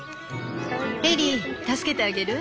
エリー助けてあげる？